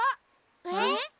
えっ？